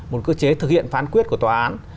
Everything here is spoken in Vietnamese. một cơ chế thực hiện phán quyết của tòa án